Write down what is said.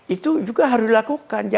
itu juga harus dilakukan